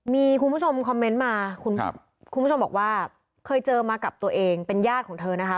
มีคุณผู้ชมคอมเมนต์มาคุณผู้ชมบอกว่าเคยเจอมากับตัวเองเป็นญาติของเธอนะคะ